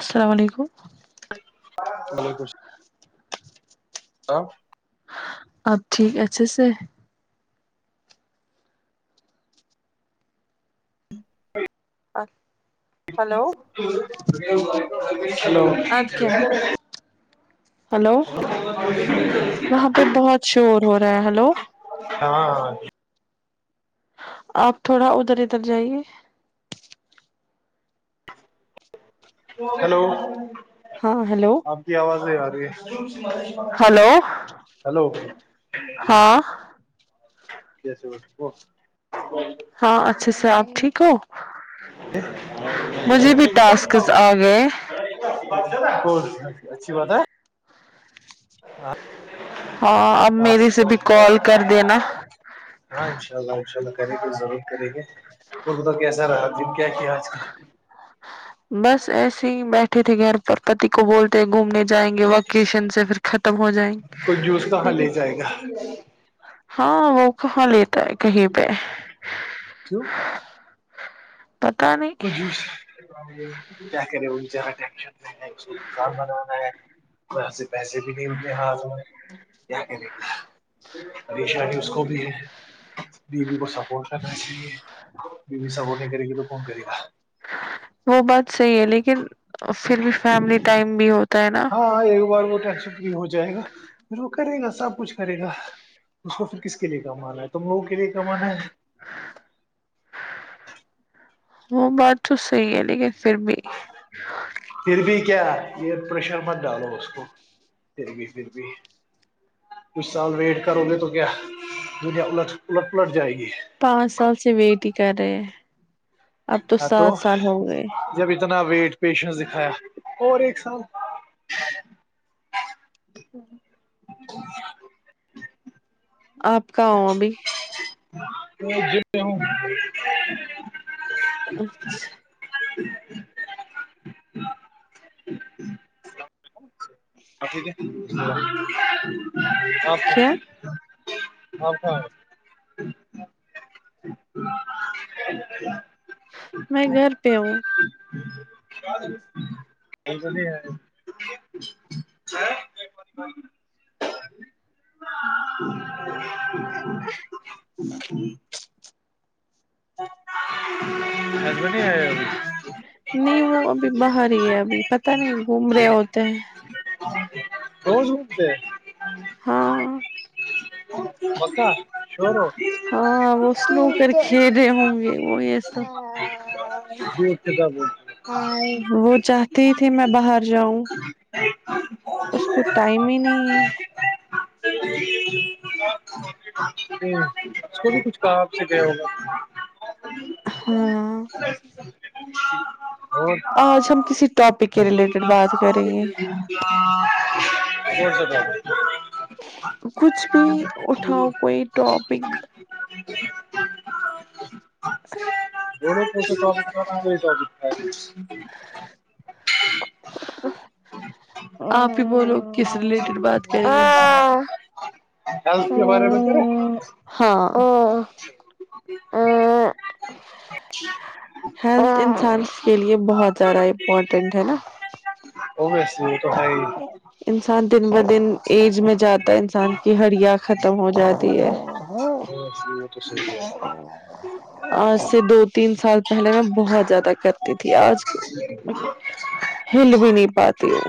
السلام علیکم [inaudible] ہاں اب ٹھیک اچھے سے [inaudible] آپ کیا [inaudible] ہلو [inaudible] وہاں پہ بہت شور ہو رہا ہے ہلو ہاں ہاں آپ تھوڑا ادھر ادھر جائیے ہیلو ہاں ہیلو آپ کی آوازیں آ رہی ہے ہلو ہلو ہاں کیسے ب وہ ہاں اچھا سے آپ ٹھیک ہو [inaudible] مجھے بھی ٹاسکس آ گئے اچھی بات ہے [unintelligible] ہاں اب میری سے بھی کال کر دینا ہاں ان شاء اللہ ان کریں گے ضرور کریں گے خ تو کیسا رہا دن کیا کیا آج کل بس ایسے ہی بیٹھے تھے گھر پر پتی کو بولتے گھومنے جائیں گے وکیشن سے پھر ختم ہو جائیں کوئی جوس گے کہاں لے لیکن جائے گا ہاں وہ کہاں لیتا ہے کہیں پہ [unintelligible] پتا نہیں س کیا کرےا ٹن نہیں کاان بنانا ہے سے پیسے بھی نہیں ہوتے ہ کیا کرے گا پےشانی اس کو بھی ہے بیوی کو سپورٹ کرنا چاہیے بیوی سپورٹ نہیں کرے گی تو کون کرے گا وہ بات صحیح ہے لیکن پھر بھی فیملی ٹائم بھی ہوتا ہے نا بار وہ بھی ہو جائے گا پھر وہ کرے گا سب کچھ کرے گا اس کو پھر کس کے لیے کمانا ہے تم لوگوں کے لیے کمانا ہے وہ بات تو صحیح ہے لیکن پھر بھی پھر بھی کیا ایئر پریشر مت ڈالو اس کو پھر بھی پھر بھی کچھ سال ویٹ کرو گے تو کیا دنیا الٹ الٹ پلٹ جائے گی پانچ سال سے ویٹ ہی کر رہے ہیں اب تو سات سال ہو گئے جب اتنا ویٹ پیشنس دکھایا اور ایک سال [inaudible] [inaudible] آپ کا ہو ابھی [unintelligible] [unintelligible] [unintelligible] اٹھیک آپ کا کیا آپ کا جی میں گھر پہ ہوں ش [unintelligible] ب نہیں ہے [inaudible] [inaudible] حج ب نہیں ہے [inaudible] نہیں وہ ابھی باہر ہی ہے ابھی پت نہیں گھوم رہے ہوتے ہیں ر سول سے [inaudible] ہاں بسا س ر [inaudible] ہاں وہ اس ن کر کھیرے ہوں گے وہ ایسا [unintelligible] جی ا سے جاب [inaudible] وہ چاہتی ہی تھی میں باہر جاؤں [inaudible] اس کو ٹائم ہی نہیں ہے ا [unintelligible] ج [unintelligible] جی اس کو بھی کچھ کہا آپ سے گ ہوگا [unintelligible] ہوں [unintelligible] ہ [unintelligible] آج ہم ا کسی ٹاپک کے [unintelligible] ریلیٹڈ بات کریں ب گے س بابر [unintelligible] کچھ بھی اٹھاؤ کوئی ٹاپک س [unintelligible] بولےسے تو تو اب [inaudible] [inaudible] آپ ہی بولو کس ریلیٹڈ بات کریں ہیلتھ کے بارے میں کررے ہاں ہیلتھ انسان کے لیے بہت زیادہ امپورٹنٹ ہے نا تویسے تو ہےائی [unintelligible] انسان دن ب دن ایج میں جاتا ہے انسان کی ہڑیا ختم ہو جاتی ہے [unintelligible] ا سام تو [unintelligible] ا [unintelligible] آج سے دو تین سال پہلے میں بہت زیادہ کرتی تھی آج ج [unintelligible] ہل بھی نہیں پاتی وہ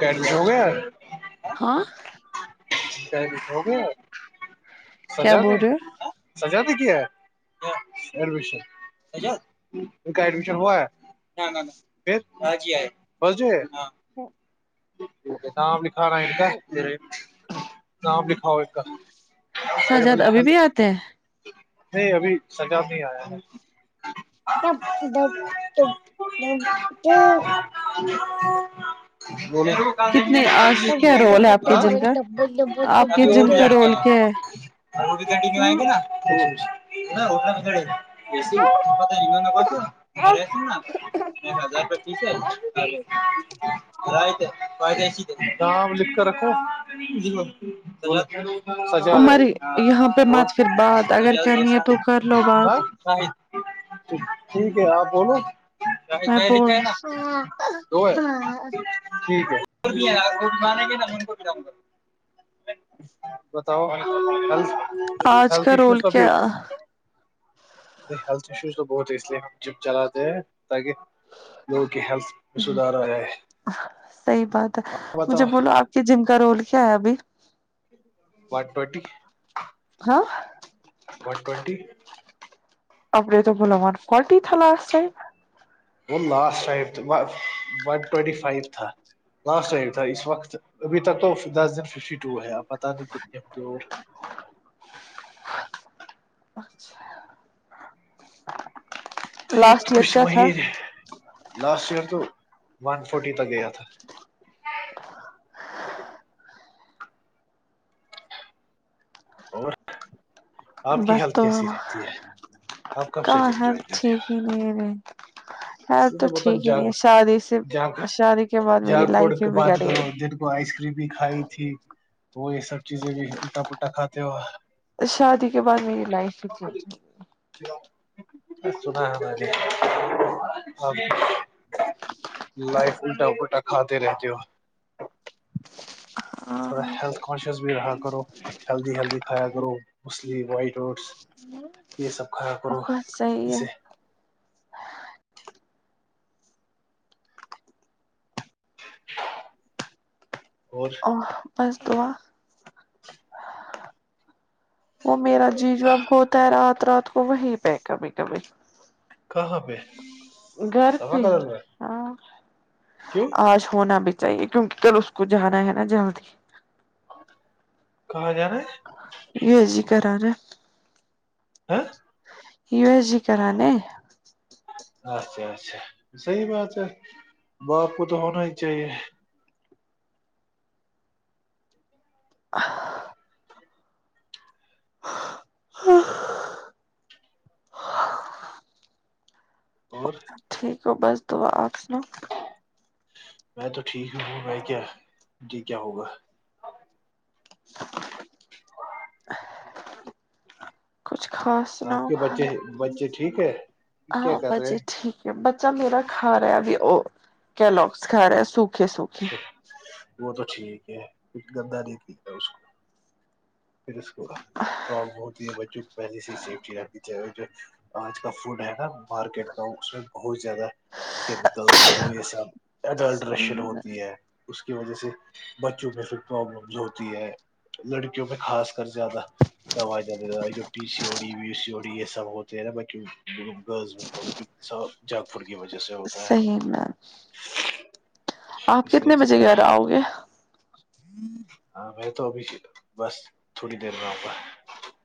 کیڈ ہو گیا ہاں کچھ ہو گیا سج کیا د بول رہے سجا د کیا ہےش [unintelligible] اچا ان کا ایڈمیشن ہوا ہے [unintelligible] پھر جی ہےاں [unintelligible] ٹھیک ہے ت لکھا ا ہو کاے [unintelligible] نپ لکھاؤ ایکے ہی سجاد ابھی بھی [unintelligible] آتے ہیں نہیں ابھی سجا نہیں آیا ہے کیاب تو ابھی [unintelligible] ج [unintelligible] کتنے آج کیا رول ہے آپ کے جم کا آپ کے جم اور بھی کا لڑکے رول ہیں کیا ہے جی [unintelligible] اور وہ بھی گنٹینیو آئےیں گی ناا رٹنا بھی گھڑے گا [inaudible] ایس آپت رم ن پ تھا گس نا ایک ایک ہزار رپس رائ ہے لکھ کر رکھو س سچ عمر ہے یہاں پہ مت پھر بات اگر کرنی ہے تو کر لو بات ٹھیک ہے آپ بولو چ میں لکھا ہے نا دو ہے ٹھیک ہے بھی یار وہ بھی مانیں گے نا کو بھی ڈؤں گا ھم کا رول بتاؤشوب کیا ہیلتھ ایشوز تو بہت ہے اس لیے ہم جم چلاتے ہیں تاکہ لوگوں کی ہیلتھ میں سدھار آ جائے صحی بات ہے مجھے بتاؤ بولاو آپ کہ جم کا رول کیا آیا بھی ون ٹوٹی ہاں وٹوٹی اپر تو بولو و فٹی تھا م وہ لاسٹ فائ تھا ون ٹوئٹی فائیو تھا لاسٹ ٹائم تھا اس وقت ابھی تک تو دس دن فف ٹو ہے آپ پتہ نہیں کتنے ہوں گے اور ھم ج یہ تو لاسٹ ایئر کچھ کیا تھا مہین لاسٹ ایئر تو ون فورٹی تک گیا تھا اور آپ کی بس ہیلتھ تو کیسی رہتی ہے آپ کب سے کااں جم ہے جوائن کر رہے ٹھیک ہو ہی نہیں ہے ہ اس لیے تو بولتا ٹھیک ہی جاگ نہیں ہے شادی سے جاگ شادی کے بعد میری جاگ فوڈ لائف ہی کی بگڑ بات گئی کرو دن کو آئس کریم بھی کھائی تھی وہ یہ سب چیزیں بھی الٹا پلٹا کھاتے ہو شادی کے بعد میری لائف ہی چینج ہو سنا ہےے لائف الٹا پلٹا کھاتے رہتے ہو تھوڑا ہوئی۔ ہیلتھ کانشیس بھی رہا کرو ہیلدی ہیلدی کھایا کرو مچھلی وائٹ روٹس یہ سب کھایا کرو بس صحیح ہے اسے اور او بس دعا وہ میرا جی جاب ہوتا ہے رات رات کو وہیں پہ کبھی کبھی کہب گھر پ ہی ہاں کیوں آج ہونا بھی چاہیے کیونکہ کل اس کو جانا ہے نا جلدی کہاں جا رہا ہے یہ جی کرا رہ ہے ہ یو ایس جی کرانے اچھا اچھا صحی بات ہے باپ کو تو ہونا ہی چاہیے اچھا ہاں اور ٹھیک ہو بس دعا آپ سنا میں تو ٹھیک ہوںا میں کیا جی کیا ہوگا ہاں کچھ خاص آپ سناؤ کے بچے بچے ٹھیک ہے کیا ہاں کر رہے بسی ہیں ٹھیک بچا میرا کھا رہا ہے بھی وہ کیلوگس کا رہا ہے سوکھے سوکھے وہ تو ٹھیک ہے ک گداری کی ہے اس کو پھر اس کو پرابلم ہوتی ہے بچوں کو پہلے سے سیفٹی رکھنی چاہیے جو آج کا فوڈ ہے نا مارکیٹ کا اس میں بہت زیادہ کیمیکلز وہ یہ سب اڈلٹ صحیح رشن میم ہوتی ہے اس کی وجہ سے بچوں میں پھر پرابلم ہوتی ہے لڑکی کیونکہ خاص کر زیادہ جات پی سی اڑی بی سی ہوی یہ سب ہوتے ہیں نا ب [unintelligible] جاگ پور کی وجہ سے ہوتا ہے صحیح میم آپ اس لیے کتنے بجے گ جتنا رہے ہو ہاں میں تو ابھی بس تھوڑی دیر میں آپا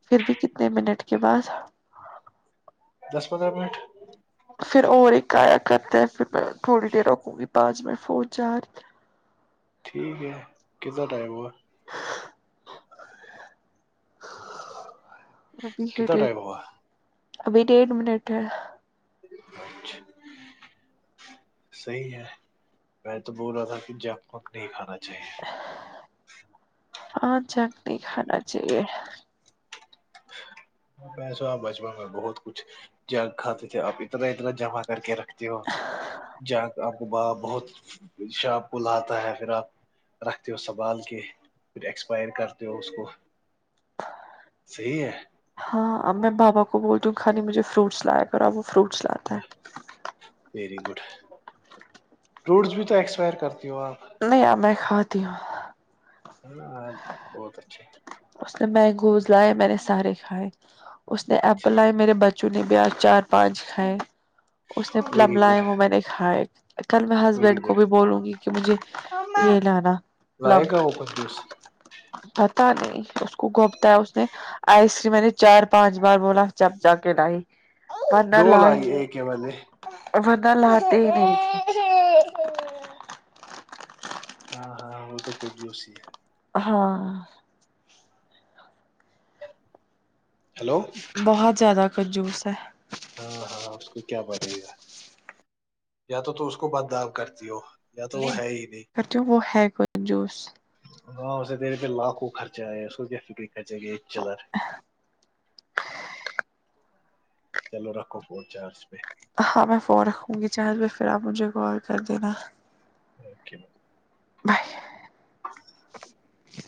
پھر بھی کتنے منٹ کے بعد دس پندرہ منٹ [unintelligible] پھر اور ایک آیا کرتے ہیں پھر میں تھوڑی دیر رکوں گی پانچ منٹ فون چارج ٹھیک ہے کتنا ٹائم ہوا ابھی ہے کتنا ڈ ٹائم ہوا ابھی ڈیھ منٹ ہے اچھ صحیح ہے میں تو بول رہا تھا کہ جب کوب نہیں کھانا چاہیے ہاں جک نہیں کھانا چاہیے ہ [inaudible] پیسو آ بچپن میں بہت کچھ جگ کھاتے تھے اپ اتنا اتنا جمع کر کے رکھ ج آپ کو ب بہت شاپ کو لاتا ہے پھر آپ رکھتے ہو سنبھال کے پھر ایکسپائر کرتے ہو اس کو صحیح ہے ہاں میں بابا کو بولتی ہوں کالی مجھے فروٹس لایا کر اب وہ فروٹس لاتا ہے ویری گڈ روٹس بھی تو ایکسپائر کرتی ہو آپ [unintelligible] نہیں ب میں کھاتی ہوں ہے نا بہت اچھے اس نے مینگوز لائے میں نے سارے کھائے اس نے اچھی ایپل لائے بات میرے بچ چونے بیاز چار پانچ کھائے اس نے کب ویری گڈ لائے وہ میں نے کھاائے کل میں ویری ہسبینڈ کو گڈ بھی بولوں گی کہ مجھے یہ لانا لائے پلم گا وہ کوچ جووس پتا نہیں اس کو گھپتا ہے اس نے آئس میں نے چار پانچ بار بولا جپ جا کے ڈائی منا دو لائیے لائی ایک کے والے بندہ لاتتے ہی نہیں تھ ہاں ہاں وہ تو کچھ جوش ہی ہے ہاں ہیلو بہت زیادہ کاجوس ہے ہاں ہاں اس کو کیا پڑے گا یا تو تو اس کو بددؤ کرتی ہو یا تو وہ ہے ہی نہیں کرتی وہ ہے کو جوس ہاں اسے دے رتے لاکھ کو خرچہ آیا اس کیا فکری خرچے گ چزار [inaudible] چلو رکھو فون چارج پہ ہاں میں فون رکھوں گی چار ب پھر آپ مجھے کال کر دینا اوکے بی بائے [unintelligible] [inaudible]